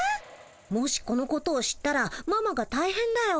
もしこのことを知ったらママがたいへんだよ。